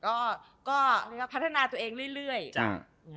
ก็ก็นะฮะพัฒนาตัวเองเรื่อยเร่ยจ๋า